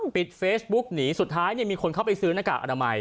ปิดเฟซบุ๊กหนีสุดท้ายมีคนเข้าไปซื้อหน้ากากอนามัย